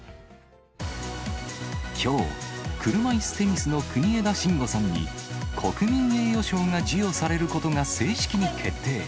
きょう、車いすテニスの国枝慎吾さんに、国民栄誉賞が授与されることが正式に決定。